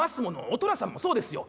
お寅さんもそうですよ。